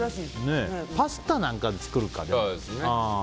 パスタなんか作るか、でも。